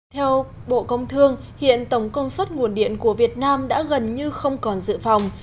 theo bộ công thương hiện tổng công suất nguồn điện của việt nam đã gần như không còn dự phòng